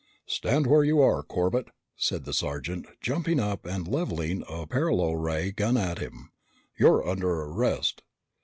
"Stand where you are, Corbett!" said the sergeant, jumping up and leveling a paralo ray gun at him. "You're under arrest!"